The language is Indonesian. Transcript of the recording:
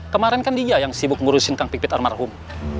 kemarin kan dia yang sibuk ngurusin kang pipit almarhum